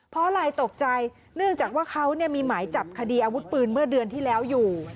เพราะอะไรตกใจเนื่องจากว่าเขามีหมายจับคดีอาวุธปืนเมื่อเดือนที่แล้วอยู่